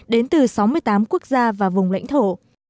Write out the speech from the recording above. đến từ sáu mươi tám quốc gia và vùng lãnh thổ